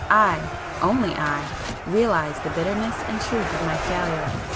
I—only I—realized the bitterness and truth of my failure.